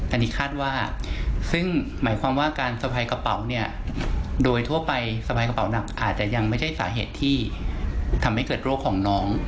อันนี้คาดว่าซึ่งหมายความว่าการสะพายกระเป๋าเนี่ยโดยทั่วไปสะพายกระเป๋าหนักอาจจะยังไม่ใช่สาเหตุที่ทำให้เกิดโรคของน้อง